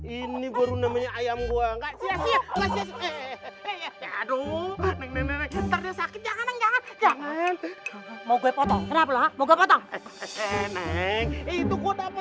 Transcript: ini baru namanya ayam gua enggak ya aduh sakit jangan jangan mau gue potong potong itu gue